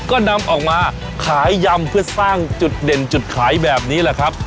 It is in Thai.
ก็นำออกมาขายยำเพื่อสร้างจุดเด่นจุดขายแบบนี้แหละครับ